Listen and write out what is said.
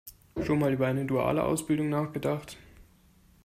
Schon mal über eine duale Ausbildung nachgedacht?